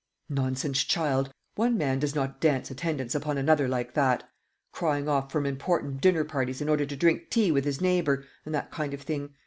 "Nonsense, child; one man does not dance attendance upon another like that crying off from important dinner parties in order to drink tea with his neighbour, and that kind of thing.